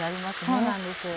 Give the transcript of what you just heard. そうなんです。